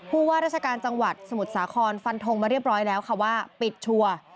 ว่าราชการจังหวัดสมุทรสาครฟันทงมาเรียบร้อยแล้วค่ะว่าปิดชัวร์